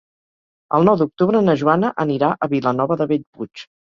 El nou d'octubre na Joana anirà a Vilanova de Bellpuig.